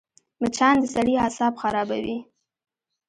مچان د سړي اعصاب خرابوي